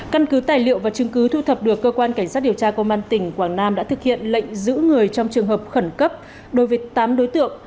căn cứ tài liệu và chứng cứ thu thập được cơ quan cảnh sát điều tra công an tỉnh quảng nam đã thực hiện lệnh giữ người trong trường hợp khẩn cấp đối với tám đối tượng